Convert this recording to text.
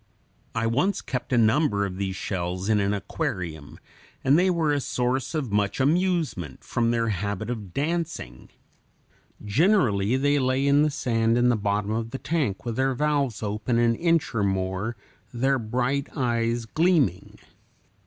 I once kept a number of these shells in an aquarium, and they were a source of much amusement, from their habit of dancing (Fig. 86). Generally they lay in the sand in the bottom of the tank with their valves open an inch or more, their bright eyes gleaming.